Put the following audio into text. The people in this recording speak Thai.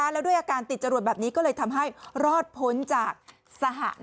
แล้วด้วยอาการติดจรวดแบบนี้ก็เลยทำให้รอดพ้นจากสหะ